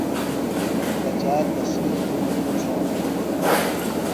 پچا تسی زُوم دھرُوساٹہ بِھلہ ہنہ